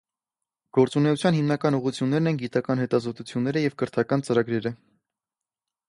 Գործունեության հիմնական ուղղություններն են գիտական հետազոտությունները և կրթական ծրագրերը։